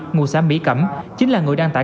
ngụ xã mỹ cẩm chính là người đăng tải